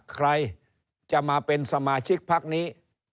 ใครจะมาเป็นสมาชิกพักนี้